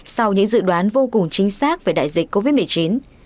sau những dự đoán vô cùng chính xác về đại dịch covid một mươi chín